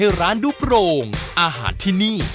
เดียวไปเลย